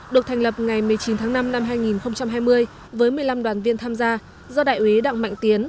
được thành lập ngày một mươi chín tháng năm năm hai nghìn hai mươi với một mươi năm đoàn viên tham gia do đại úy đặng mạnh tiến